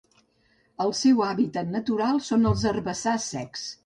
El seu hàbitat natural són els herbassars secs.